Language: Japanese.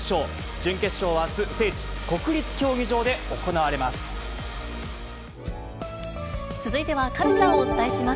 準決勝はあす、聖地、国立競技場続いてはカルチャーをお伝えします。